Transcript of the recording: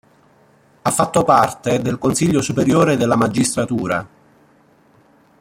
Ha fatto parte del Consiglio superiore della magistratura.